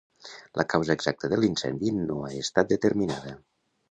La causa exacta de l'incendi no ha estat determinada.